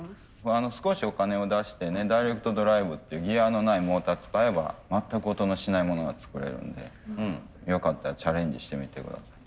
少しお金を出してねダイレクトドライブっていうギアのないモーター使えば全く音のしないものが作れるのでよかったらチャレンジしてみて下さい。